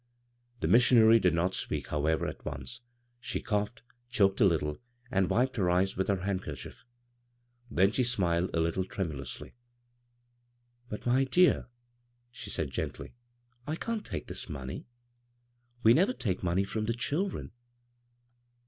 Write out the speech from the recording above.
The missionary did not spealc, however, at once. She coughed, choked a little, and wiped her ey^ with her handkerchief ; then she smiled a little tremulously. " But, my dear," she said gently, " I can't take this money. We never take money 6rom the children."